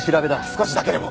少しだけでも！